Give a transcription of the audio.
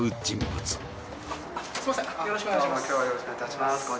今日はよろしくお願いいたします